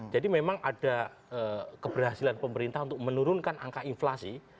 jadi memang ada keberhasilan pemerintah untuk menurunkan angka inflasi